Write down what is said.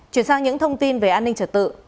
chuyển sang những thông tin về an ninh trật tự